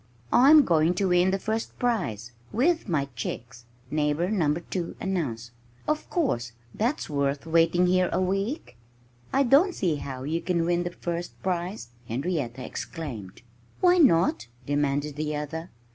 "I'm going to win the first prize with my chicks," Neighbor Number 2 announced. "Of course that's worth waiting here a week." "I don't see how you can win the first prize!" Henrietta exclaimed. "Why not?" demanded the other.